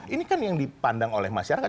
ini kan yang dipandang oleh masyarakat